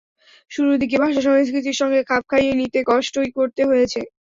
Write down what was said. শুরুর দিকে ভাষা, সংস্কৃতির সঙ্গে খাপ খাইয়ে নিতে কষ্টই করতে হয়েছে।